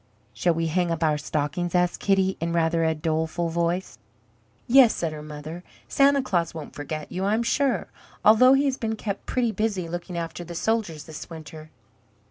"Shall we hang up our stockings?" asked Kitty, in rather a doleful voice. "Yes," said her mother, "Santa Claus won't forget you, I am sure, although he has been kept pretty busy looking after the soldiers this winter."